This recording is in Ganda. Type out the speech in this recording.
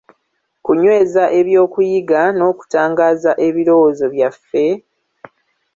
Kunyweza ebyokuyiga n'okutangaaza ebirowoozo byaffe,